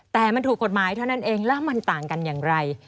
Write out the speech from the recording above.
แต่มันถูกกฎหมายเท่านั้นเองแล้วมันต่างกันอย่างไร